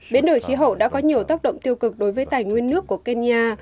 biến đổi khí hậu đã có nhiều tác động tiêu cực đối với tài nguyên nước của kenya